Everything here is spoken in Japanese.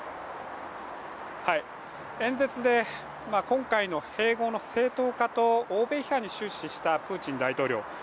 演説で今回の併合の正当化と欧米批判に終始したプーチン大統領。